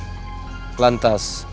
apa mereka benar benar masuk ke kumbayan